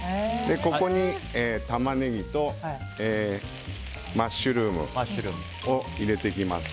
ここにタマネギとマッシュルームを入れていきます。